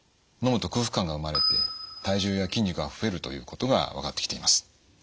のむと空腹感が生まれて体重や筋肉が増えるということが分かってきています。